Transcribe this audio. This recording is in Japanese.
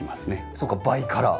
そうかバイカラー。